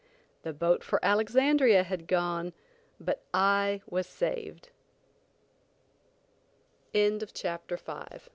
The boat for Alexandria had gone, but I was saved. CHAPTER VI.